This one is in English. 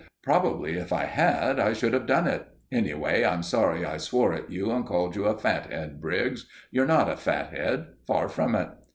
"Probably, if I had, I should have done it. Anyway, I'm sorry I swore at you and called you a fathead, Briggs. You're not a fathead far from it."